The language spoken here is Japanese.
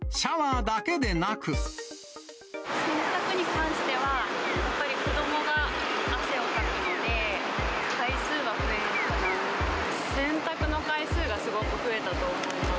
洗濯に関しては、やっぱり子どもが汗をかくので、洗濯の回数がすごく増えたと思います。